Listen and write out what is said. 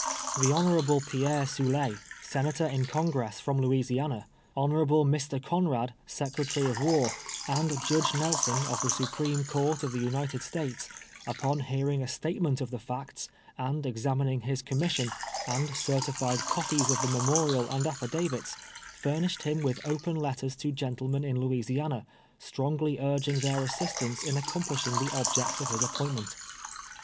The Hon. Pierre Soule, Senator in Congress from Lou isiana, Hon. Mr. Com ad, Secretary of War, and Judge Xels<~»n, of the Supreme Court of the United States, upon hearing a statement of the facts, and ex amining his commission, and certified copies of the memorial and affidavits, furnished him with open let ters to gentlemen in Louisiana, strongly urging their assistance in acconi]tlishing the ohject of his ap pointment.